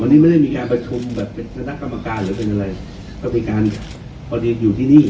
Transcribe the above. วันนี้ไม่ได้มีการประชุมแบบเป็นคณะกรรมการหรือเป็นอะไรก็มีการพอดีอยู่ที่นี่